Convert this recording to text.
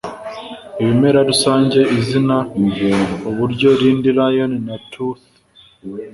Ibimera rusange izina uburyo rindi Lion wa Tooth